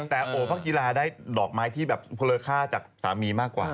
แต่โอพักกีฬาได้ดอกไม้ที่แบบพลค่าจากสามีมากกว่า